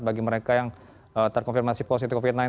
bagi mereka yang terkonfirmasi positif covid sembilan belas